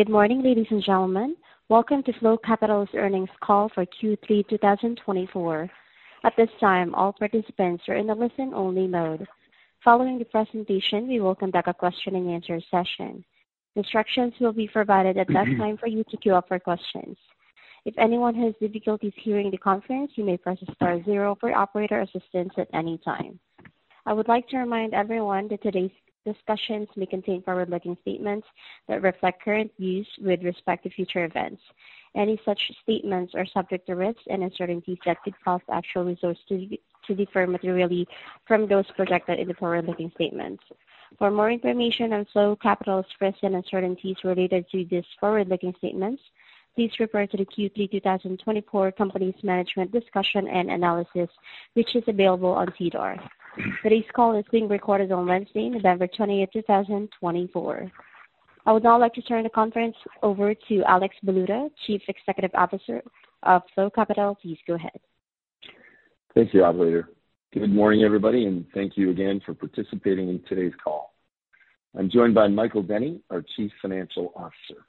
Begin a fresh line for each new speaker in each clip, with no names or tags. Good morning, ladies and gentlemen. Welcome to Flow Capital's earnings call for Q3 2024. At this time, all participants are in the listen-only mode. Following the presentation, we will conduct a question-and-answer session. Instructions will be provided at that time for you to queue up for questions. If anyone has difficulties hearing the conference, you may press star zero for operator assistance at any time. I would like to remind everyone that today's discussions may contain forward-looking statements that reflect current views with respect to future events. Any such statements are subject to risks and uncertainties that could cause actual results to differ materially from those projected in the forward-looking statements. For more information on Flow Capital's risks and uncertainties related to these forward-looking statements, please refer to the Q3 2024 Company's Management Discussion and Analysis, which is available on SEDAR+. Today's call is being recorded on Wednesday, November 20th, 2024. I would now like to turn the conference over to Alex Baluta, Chief Executive Officer of Flow Capital. Please go ahead.
Thank you, Operator. Good morning, everybody, and thank you again for participating in today's call. I'm joined by Michael Denny, our Chief Financial Officer.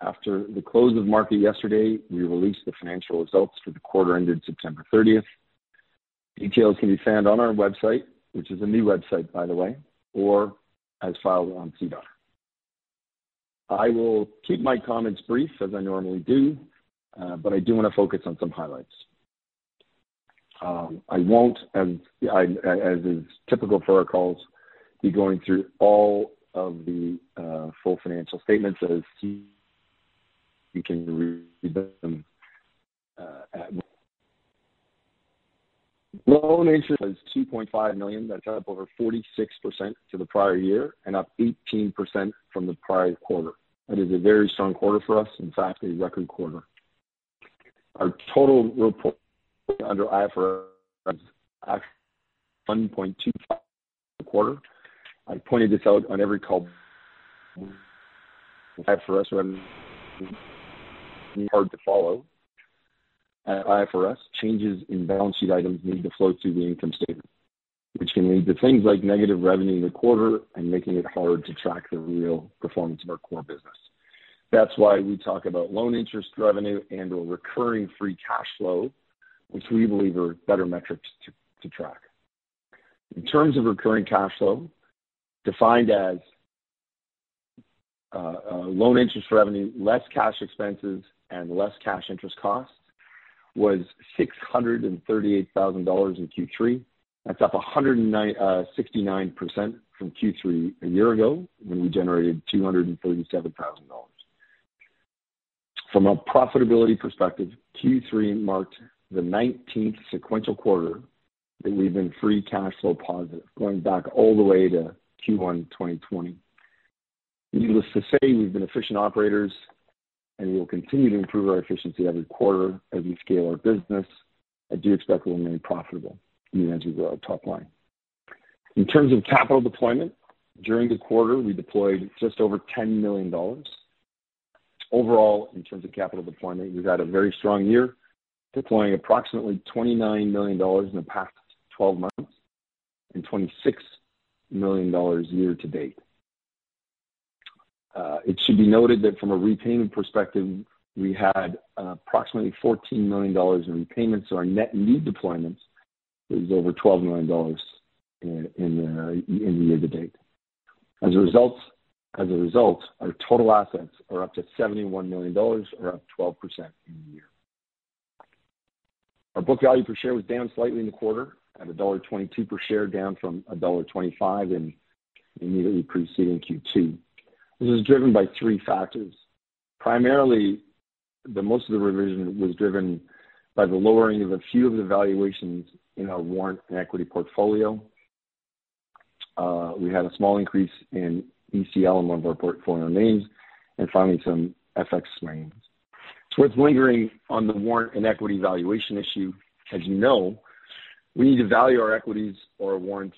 After the close of market yesterday, we released the financial results for the quarter ended September 30th. Details can be found on our website, which is a new website, by the way, or as filed on SEDAR+. I will keep my comments brief, as I normally do, but I do want to focus on some highlights. I won't, as is typical for our calls, be going through all of the full financial statements as you can read them at. Revenue is 2.5 million. That's up over 46% to the prior year and up 18% from the prior quarter. That is a very strong quarter for us. In fact, a record quarter. Our recurring free cash flow under IFRS is 1.25 million per quarter. I pointed this out on every call. IFRS revenue is hard to follow. At IFRS, changes in balance sheet items need to flow through the income statement, which can lead to things like negative revenue in the quarter and making it hard to track the real performance of our core business. That's why we talk about loan interest revenue and/or recurring free cash flow, which we believe are better metrics to track. In terms of recurring cash flow, defined as loan interest revenue, less cash expenses, and less cash interest costs was 638,000 dollars in Q3. That's up 169% from Q3 a year ago when we generated 237,000 dollars. From a profitability perspective, Q3 marked the 19th sequential quarter that we've been free cash flow positive, going back all the way to Q1 2020. Needless to say, we've been efficient operators, and we will continue to improve our efficiency every quarter as we scale our business. I do expect we'll remain profitable, as you will touch on. In terms of capital deployment, during the quarter, we deployed just over 10 million dollars. Overall, in terms of capital deployment, we've had a very strong year, deploying approximately 29 million dollars in the past 12 months and 26 million dollars year to date. It should be noted that from a repayment perspective, we had approximately 14 million dollars in repayments, so our net new deployments was over 12 million dollars in the year to date. As a result, our total assets are up to 71 million dollars, or up 12% in the year. Our book value per share was down slightly in the quarter at dollar 1.22 per share, down from CAD 1.25 in the year preceding Q2. This is driven by three factors. Primarily, most of the revision was driven by the lowering of a few of the valuations in our warrant and equity portfolio. We had a small increase in ECL in one of our portfolio names, and finally, some FX names. So, what's lingering on the warrant and equity valuation issue? As you know, we need to value our equities or our warrants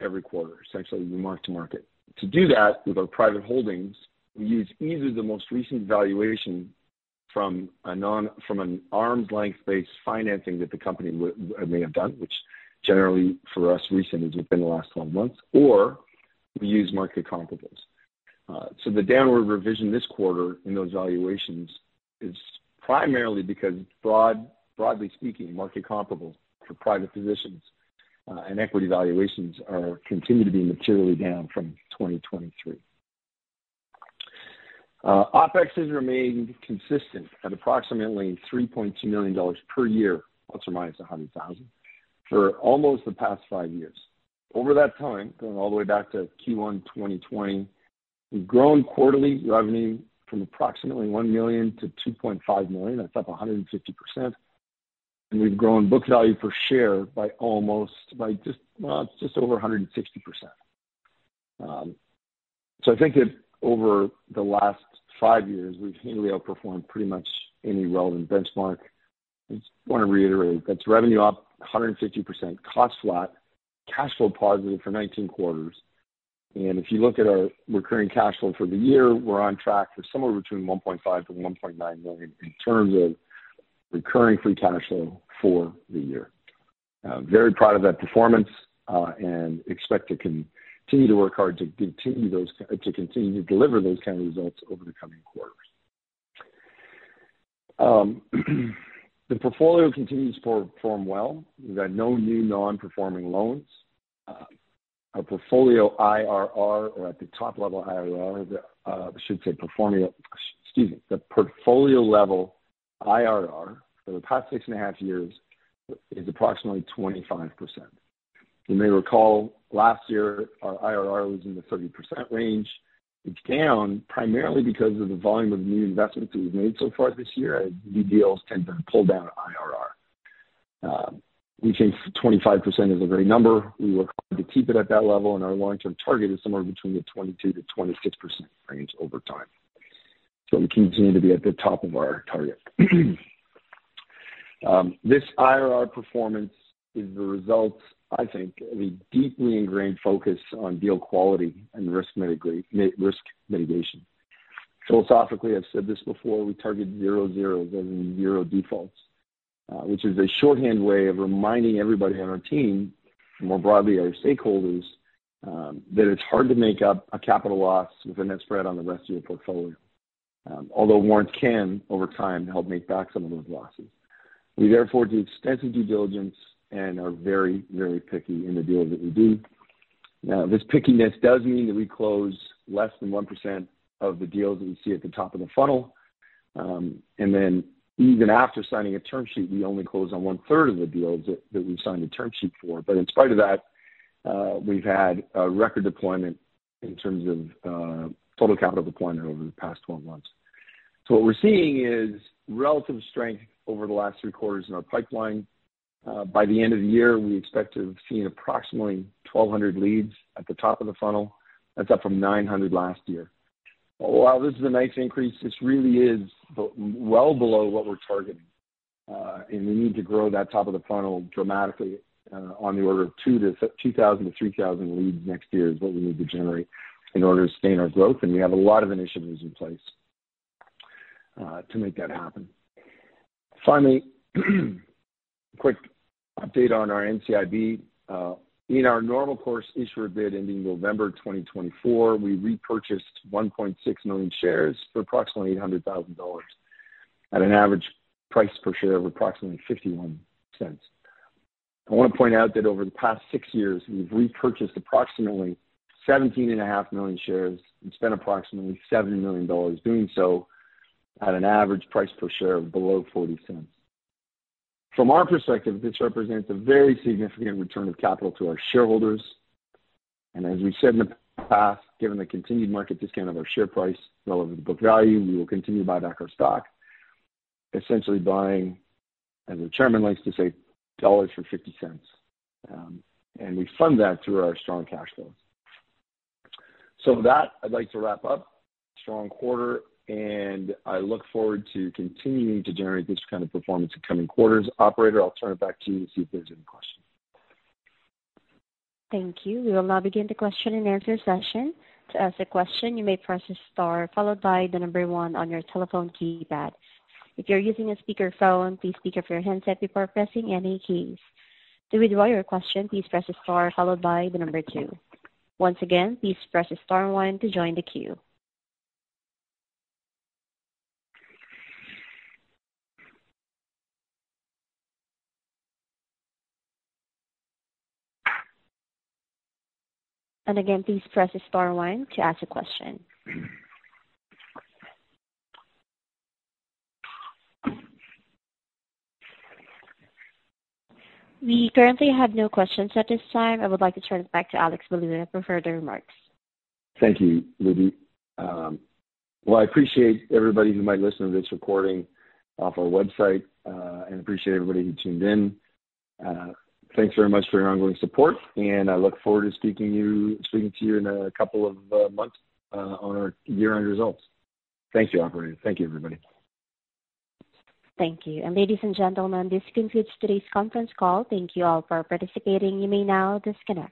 every quarter, essentially from mark-to-market. To do that with our private holdings, we use either the most recent valuation from an arm's-length based financing that the company may have done, which generally for us recent is within the last 12 months, or we use market comparables. So the downward revision this quarter in those valuations is primarily because, broadly speaking, market comparables for private positions and equity valuations continue to be materially down from 2023. OpEx has remained consistent at approximately 3.2 million dollars per year, ± 100,000, for almost the past five years. Over that time, going all the way back to Q1 2020, we've grown quarterly revenue from approximately 1 million to 2.5 million. That's up 150%, and we've grown book value per share by almost, by just, well, it's just over 160%, so I think that over the last five years, we've handily outperformed pretty much any relevant benchmark. I just want to reiterate that's revenue up 150%, cost flat, cash flow positive for 19 quarters, and if you look at our recurring cash flow for the year, we're on track for somewhere between 1.5-1.9 million in terms of recurring free cash flow for the year. Very proud of that performance and expect to continue to work hard to continue to deliver those kind of results over the coming quarters. The portfolio continues to perform well. We've had no new non-performing loans. Our portfolio IRR, or at the top level IRR, I should say, the portfolio level IRR for the past six and a half years is approximately 25%. You may recall last year our IRR was in the 30% range. It's down primarily because of the volume of new investments that we've made so far this year. New deals tend to pull down IRR. We think 25% is a great number. We work hard to keep it at that level, and our long-term target is somewhere between the 22%-26% range over time. So we continue to be at the top of our target. This IRR performance is the result, I think, of a deeply ingrained focus on deal quality and risk mitigation. Philosophically, I've said this before, we target zero zeros and zero defaults, which is a shorthand way of reminding everybody on our team, more broadly our stakeholders, that it's hard to make up a capital loss with a net spread on the rest of your portfolio, although warrants can, over time, help make back some of those losses. We therefore do extensive due diligence and are very, very picky in the deals that we do. Now, this pickiness does mean that we close less than 1% of the deals that we see at the top of the funnel, and then even after signing a term sheet, we only close on one-third of the deals that we've signed a term sheet for. But in spite of that, we've had a record deployment in terms of total capital deployment over the past 12 months. So what we're seeing is relative strength over the last three quarters in our pipeline. By the end of the year, we expect to have seen approximately 1,200 leads at the top of the funnel. That's up from 900 last year. While this is a nice increase, this really is well below what we're targeting. And we need to grow that top of the funnel dramatically on the order of 2,000 to 3,000 leads next year is what we need to generate in order to sustain our growth. And we have a lot of initiatives in place to make that happen. Finally, quick update on our NCIB. In our Normal Course Issuer Bid ending November 2024, we repurchased 1.6 million shares for approximately 800,000 dollars at an average price per share of approximately 0.51. I want to point out that over the past six years, we've repurchased approximately 17.5 million shares and spent approximately 7 million dollars doing so at an average price per share of below 0.40. From our perspective, this represents a very significant return of capital to our shareholders, and as we've said in the past, given the continued market discount of our share price relative to book value, we will continue to buy back our stock, essentially buying, as the chairman likes to say, dollars for 50 cents, and we fund that through our strong cash flows, so with that, I'd like to wrap up. Strong quarter, and I look forward to continuing to generate this kind of performance in coming quarters. Operator, I'll turn it back to you to see if there's any questions.
Thank you. We will now begin the question-and-answer session. To ask a question, you may press a star followed by the number one on your telephone keypad. If you're using a speakerphone, please pick up your handset before pressing any keys. To withdraw your question, please press a star followed by the number two. Once again, please press a star one to join the queue, and again, please press a star one to ask a question. We currently have no questions at this time. I would like to turn it back to Alex Baluta for further remarks.
Thank you, Libby. Well, I appreciate everybody who might listen to this recording off our website and appreciate everybody who tuned in. Thanks very much for your ongoing support, and I look forward to speaking to you in a couple of months on our year-end results. Thank you, Operator. Thank you, everybody.
Thank you. And ladies and gentlemen, this concludes today's conference call. Thank you all for participating. You may now disconnect.